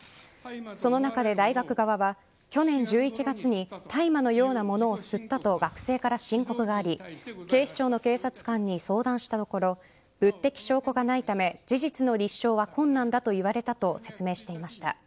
その中で大学側は去年１１月に大麻のようなものを吸ったと学生から申告があり警視庁の警察官に相談したところ物的証拠がないため事実の立証は困難だと言われたと説明していました。